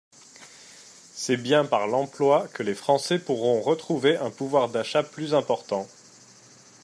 C’est bien par l’emploi que les Français pourront retrouver un pouvoir d’achat plus important.